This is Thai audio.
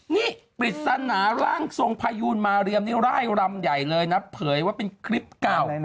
นี่ปริศนาร่างทรงพยูนมาเรียมนี่ร่ายรำใหญ่เลยนะเผยว่าเป็นคลิปเก่า